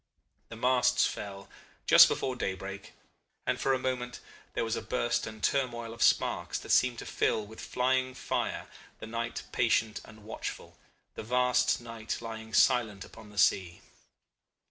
The masts fell just before daybreak, and for a moment there was a burst and turmoil of sparks that seemed to fill with flying fire the night patient and watchful, the vast night lying silent upon the sea.